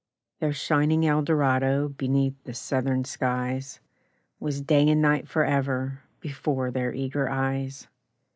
Their shining Eldorado, Beneath the southern skies, Was day and night for ever Before their eager eyes.